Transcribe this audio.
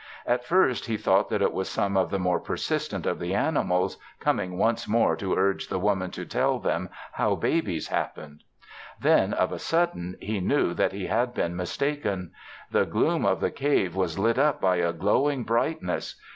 At first he thought that it was some of the more persistent of the animals, coming once more to urge the Woman to tell them how babies happened. Then, of a sudden, he knew that he had been mistaken. The gloom of the cave was lit up by a glowing brightness.